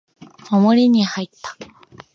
守りに入った